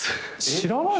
知らないの？